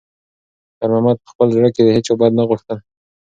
خیر محمد په خپل زړه کې د هیچا بد نه غوښتل.